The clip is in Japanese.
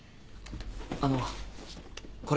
あのこれ。